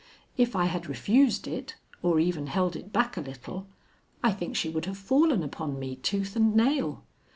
If I had refused it or even held it back a little, I think she would have fallen upon me tooth and nail.